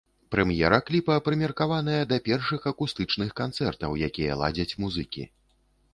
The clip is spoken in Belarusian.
Прэм'ера кліпа прымеркаваная да першых акустычных канцэртаў, якія ладзяць музыкі.